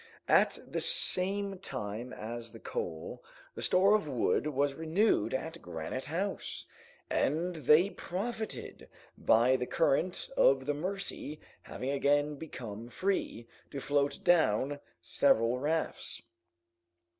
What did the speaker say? At the same time as the coal, the store of wood was renewed at Granite House, and they profited by the current of the Mercy having again become free, to float down several rafts.